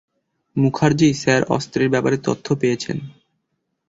Mukherjee sir অস্ত্রের ব্যাপারে তথ্য পেয়েছেন।